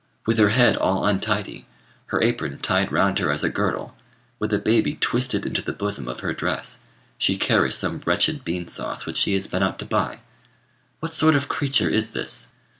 With her head all untidy, her apron tied round her as a girdle, with a baby twisted into the bosom of her dress, she carries some wretched bean sauce which she has been out to buy. What sort of creature is this?